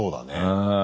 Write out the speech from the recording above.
うん。